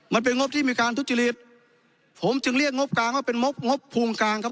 มันเป็นงบที่มีการทุจริตผมจึงเรียกงบกลางว่าเป็นงบงบภูมิกลางครับ